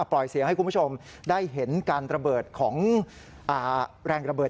ปล่อยเสียงให้คุณผู้ชมได้เห็นการระเบิดของแรงระเบิด